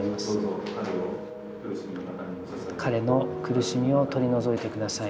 彼の苦しみを取り除いて下さい。